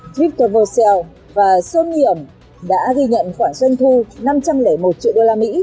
cryptovoxel và sonium đã ghi nhận khoản doanh thu năm trăm linh một triệu usd